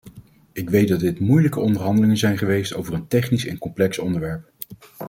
Ik weet dat dit moeilijke onderhandelingen zijn geweest over een technisch en complex onderwerp.